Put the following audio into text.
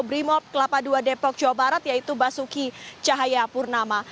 berima kelapa dua depok jawa barat yaitu basuki cahaya purnama